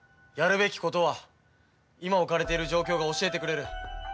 やるべきことは今置かれている状況が教えてくれる。